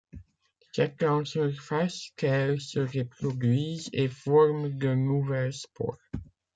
C’est en surface qu’elles se reproduisent et forment de nouvelles spores.